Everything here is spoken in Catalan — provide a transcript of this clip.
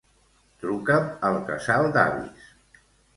Truca'm al casal d'avis.